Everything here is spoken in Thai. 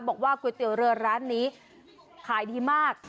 ก๋วยเตี๋ยวเรือร้านนี้ขายดีมาก